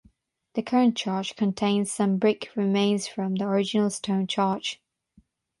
The current church contains some brick remains from the original stone church.